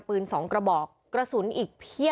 พวกมันต้องกินกันพี่